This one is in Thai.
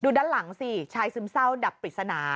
ด้านหลังสิชายซึมเศร้าดับปริศนา